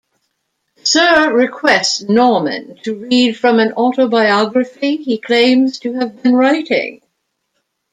Sir requests Norman to read from an autobiography he claims to have been writing.